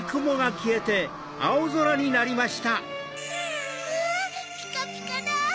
わピカピカだ！